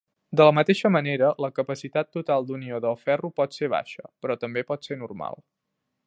De la mateixa manera, la capacitat total d"unió del ferro por ser baixa, però també pot ser normal.